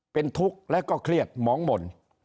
เป็นทุกข์และก็เครียดหมองหม่น